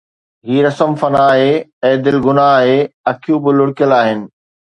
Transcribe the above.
هي رسم فنا آهي، اي دل گناهه آهي، اکيون به لڙڪيل آهن